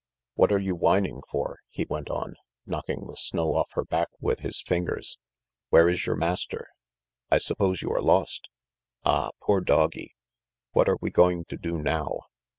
"What are you whining for?" he went on, knocking the snow off her back with his fingers. "Where is your master? I suppose you are lost? Ah, poor doggy! What are we going to do now?"